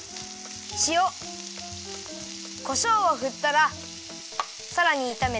しおこしょうをふったらさらにいためて。